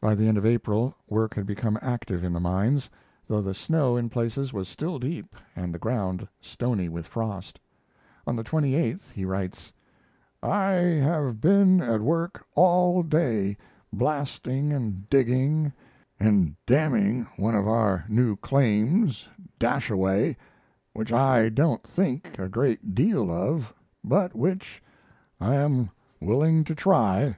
By the end of April work had become active in the mines, though the snow in places was still deep and the ground stony with frost. On the 28th he writes: I have been at work all day blasting and digging, and d ning one of our new claims "Dashaway" which I don't think a great deal of, but which I am willing to try.